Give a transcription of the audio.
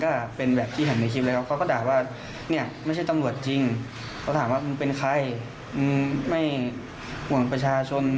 เขาถามว่ามึงเป็นใครมึงไม่ห่วงประชาชน